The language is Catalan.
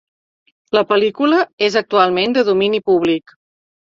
La pel·lícula és actualment de domini públic.